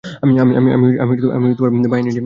আমি বাহিনী নিয়ে আসছি।